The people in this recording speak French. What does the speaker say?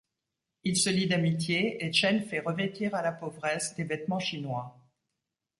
Ils se lient d'amitié et Chen fait revêtir à la pauvresse des vêtements chinois.